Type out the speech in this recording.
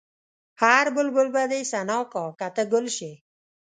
هر بلبل به دې ثنا کا که ته ګل شې.